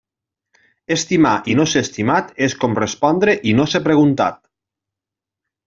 Estimar i no ser estimat és com respondre i no ser preguntat.